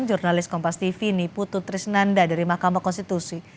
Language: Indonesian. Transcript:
jurnalis kompas tv ini putu trisnanda dari mahkamah konstitusi